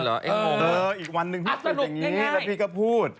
เอออีกวันนึงพี่มั๊กปิดอย่างนี้แล้วพี่ก็พูด